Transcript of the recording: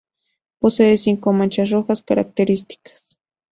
Posee cinco manchas rojas características.